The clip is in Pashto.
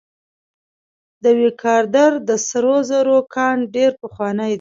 د ویکادور د سرو زرو کان ډیر پخوانی دی.